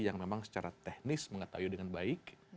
yang memang secara teknis mengetahui dengan baik